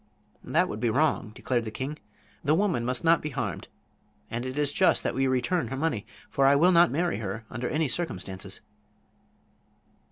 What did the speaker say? "That would be wrong," declared the king. "The woman must not be harmed. And it is just that we return her money, for I will not marry her under any circumstances."